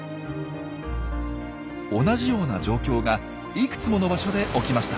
同じような状況がいくつもの場所で起きました。